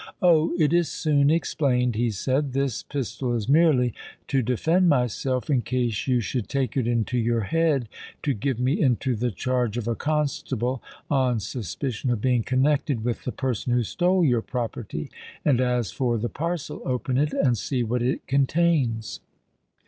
—'Oh! it is soon explained,' he said. '_This pistol is merely to defend myself in case you should take it into your head to give me into the charge of a constable on suspicion of being connected with the person who stole your property: and as for the parcel, open it, and see what it contains.